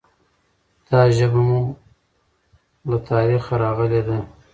دا ژبه مو له تاریخه راغلي ده.